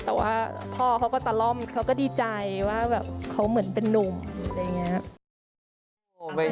แต่ว่าพ่อเขาก็ตะล่อมเขาก็ดีใจว่าแบบเขาเหมือนเป็นนุ่มอะไรอย่างนี้